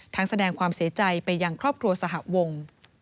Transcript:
แสดงความเสียใจไปยังครอบครัวสหวง